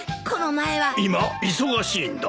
今忙しいんだ。